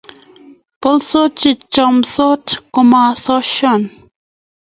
bolsot che chamdos komasosio